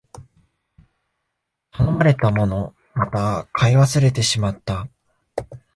頼まれたもの、また買い忘れてしまった